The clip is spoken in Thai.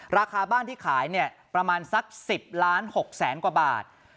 ราคาบ้านที่ขายเนี่ยประมาณสัก๑๐ล้าน๖แสนกว่าบาท